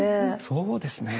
そうですね。